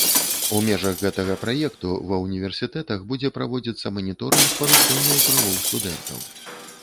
У межах гэтага праекту ва ўніверсітэтах будзе праводзіцца маніторынг парушэнняў правоў студэнтаў.